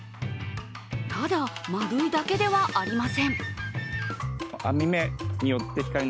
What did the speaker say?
ただ丸いだけではありません。